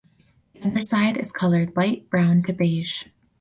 The underside is colored light brown to beige.